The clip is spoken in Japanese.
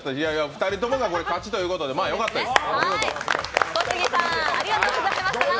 ２人ともが勝ちということで、よかったです。